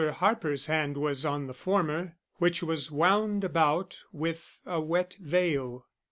Harper's hand was on the former, which was wound about with a wet veil.